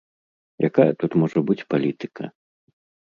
Якая тут можа быць палітыка?